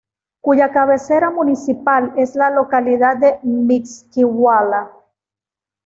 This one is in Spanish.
Cuya cabecera municipal es la localidad de Mixquiahuala.